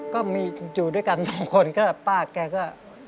ก็มีอยู่ด้วยกันสองคนก็ป้าแกก็